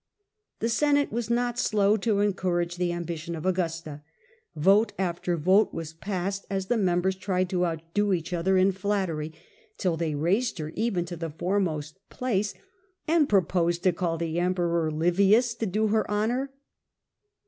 The Senate was not slow to encourage the ambition of Augusta. Vote after vote was passed as the members tried to outdo each other in their flattery, till they raised her even to the foremost place, and proposed to call the Em peror Livius to do her honour.